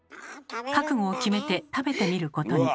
覚悟を決めて食べてみることに。